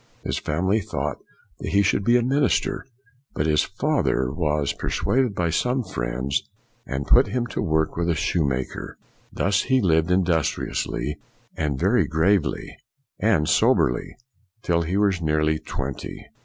1 His family thought that he should be a minister, but his father was per suaded by some friends and put him to work with a shoemaker. Thus he lived industriously, and very gravely and so berly, till he was nearly twenty.